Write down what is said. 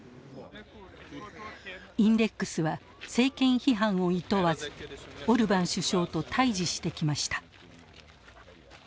インデックスは政権批判をいとわずオルバン首相と対峙してきました。